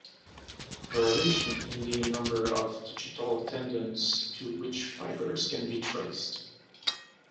Variation in the number of digital tendons to which fibers can be traced.